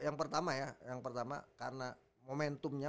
yang pertama ya karena momentumnya